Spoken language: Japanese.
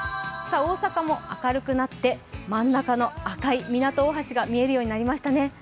大阪も明るくなって真ん中の赤い港大橋が見えるようになりました。